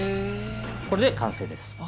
これで完成です。